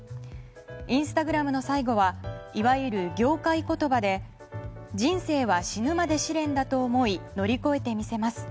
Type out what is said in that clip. インスタグラムの最後はいわゆる業界言葉で人生は死ぬまで試練だと思い乗り越えて見せます。